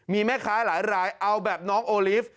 มีแม่ค้าหลายรายเอาแบบน้องโอลิฟต์